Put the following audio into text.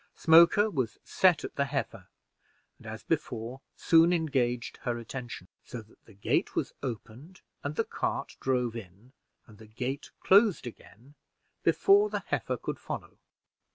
Smoker was set at the heifer, and, as before, soon engaged her attention; so that the gate was opened and the cart drove in, and the gate closed again, before the heifer could follow.